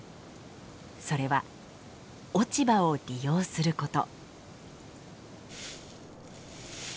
それは落ち葉を利用すること。